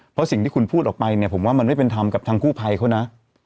เพราะสิ่งที่คุณพูดออกไปเนี่ยผมว่ามันไม่เป็นธรรมกับทางกู้ภัยเขานะ